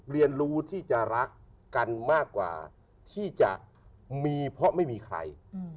เรียนรู้ที่จะรักกันมากกว่าที่จะมีเพราะไม่มีใคร